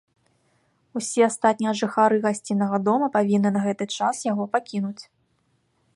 Усе астатнія жыхары гасціннага дома павінны на гэты час яго пакінуць.